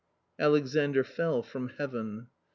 " Alexandr fell from heaven.